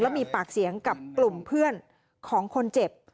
มีปากเสียงกับกลุ่มเพื่อนของคนเจ็บ